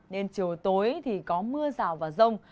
nên chiều tối thì có mưa rào và rông